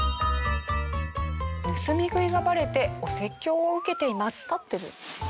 盗み食いがバレてお説教を受けています。